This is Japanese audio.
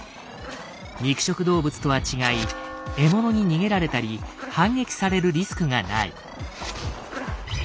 肉食動物とは違い獲物に逃げられたり反撃されるリスクがない。